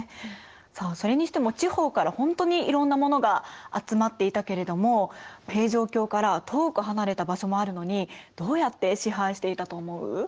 さあそれにしても地方からほんとにいろんなものが集まっていたけれども平城京から遠く離れた場所もあるのにどうやって支配していたと思う？